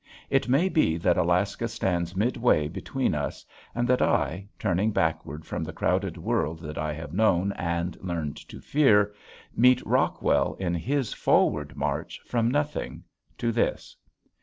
It may be that Alaska stands midway between us, and that I, turning backward from the crowded world that I have known and learned to fear, meet Rockwell in his forward march from nothing to this.